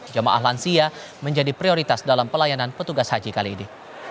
jamaah lansia menjadi prioritas dalam pelayanan petugas haji kali ini